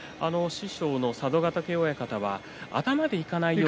佐渡ヶ嶽親方は頭でいかないようにと。